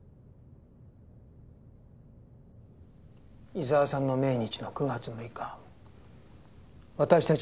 伊沢さんの命日の９月６日私たち